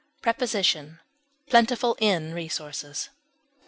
Preposition: Plentiful in resources.